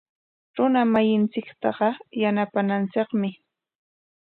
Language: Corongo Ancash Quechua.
Runa masintaqa yanapananchikmi.